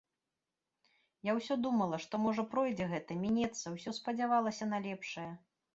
Я ўсё думала, што, можа, пройдзе гэта, мінецца, усё спадзявалася на лепшае.